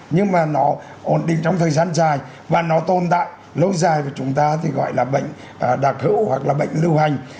nhưng mà nó ổn định trong thời gian dài và nó tồn tại lâu dài của chúng ta thì gọi là bệnh đặc hữu hoặc là bệnh lưu hành